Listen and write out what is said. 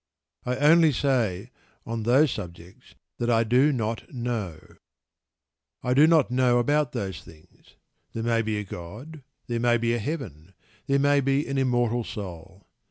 I only say, on those subjects, that I do not know. I do not know about those things. There may be a God, there may be a "Heaven," there may be an immortal soul.